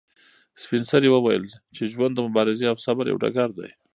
سپین سرې وویل چې ژوند د مبارزې او صبر یو ډګر دی.